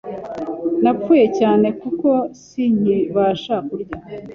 Napfuye cyane kuko si nkibasha kurya